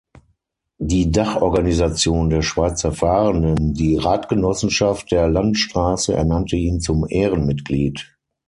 Die Dachorganisation der Schweizer Fahrenden, die Radgenossenschaft der Landstrasse, ernannte ihn zum Ehrenmitglied.